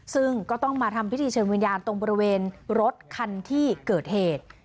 ซึ่งก็ต้องมาทำพิธีเชิญวิญญาณตรงบริเวณรถคันที่เกิดเหตุ